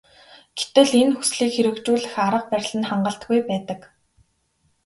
Гэтэл энэ хүслийг хэрэгжүүлэх арга барил нь хангалтгүй байдаг.